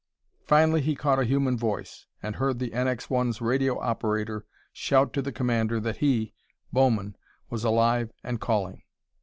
Finally he caught a human voice, and heard the NX 1's radio operator shout to the commander that he, Bowman, was alive and calling.